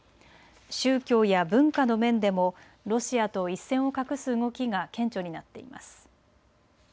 宗教や文化の面でもロシアと一線を画す動きが顕著になっています。